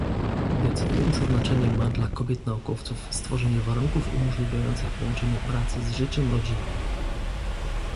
Decydujące znaczenie ma dla kobiet naukowców stworzenie warunków umożliwiających połączenie pracy z życiem rodzinnym